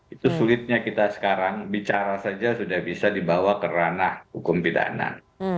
itu sulitnya kita sekarang bicara saja sudah bisa dibawa ke ranah hukum pidana